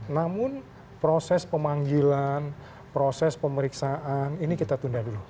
namun proses pemanggilan proses pemeriksaan ini kita tunda dulu